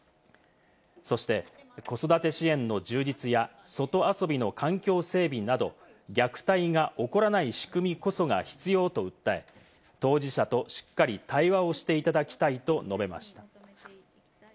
そして子育て支援の充実や外遊びの環境整備など、虐待が起こらない仕組みこそが必要と訴え、当事者としっかり対話をしていただきたいと述べました。